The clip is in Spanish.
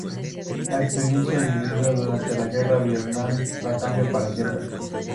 Las experiencias vividas durante la guerra de Vietnam lo cambian para siempre.